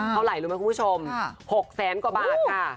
เท่าไหร่รู้ไหมคุณผู้ชม๖๐๐บาทค่ะ